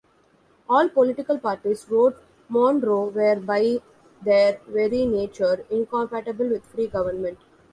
All political parties, wrote Monroe, were by their very nature, incompatible with free government.